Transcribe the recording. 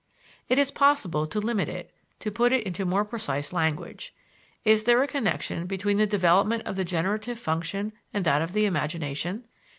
It is possible to limit it, to put it into more precise language. Is there a connection between the development of the generative function and that of the imagination?